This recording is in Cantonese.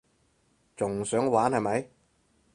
仲想玩係咪？